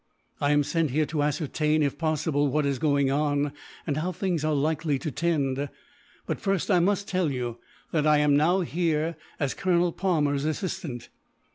I am sent here to ascertain, if possible, what is going on, and how things are likely to tend. But first, I must tell you that I am now here as Colonel Palmer's assistant."